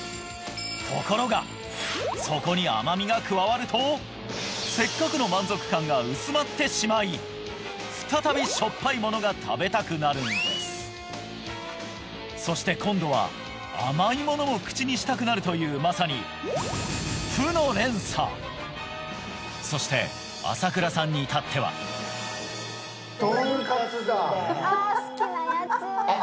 ところがそこに甘味が加わるとせっかくの満足感が薄まってしまい再びしょっぱいものが食べたくなるんですそして今度は甘いものも口にしたくなるというまさに負の連鎖そして麻倉さんに至ってはとんかつだとんかつだあ